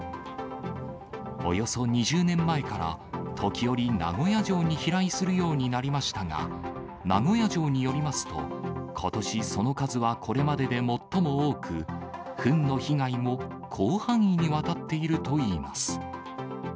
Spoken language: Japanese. およそ２０年前から、時折、名古屋城に飛来するようになりましたが、名古屋城によりますと、ことし、その数はこれまでで最も多く、ふんの被害も広範囲にわたっているといいます。